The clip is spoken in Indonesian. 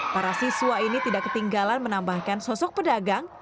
para siswa ini tidak ketinggalan menambahkan sosok pedagang